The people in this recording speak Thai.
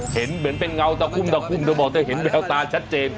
เห็นเหมือนเป็นเงาตะคุ่มตะคุ่มเธอบอกเธอเห็นแววตาชัดเจน